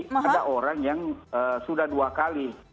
jadi ada orang yang sudah dua kali